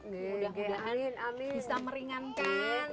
mudah mudahan bisa meringankan